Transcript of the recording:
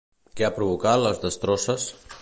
Què ha provocat les destrosses?